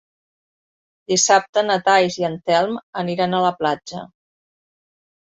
Dissabte na Thaís i en Telm aniran a la platja.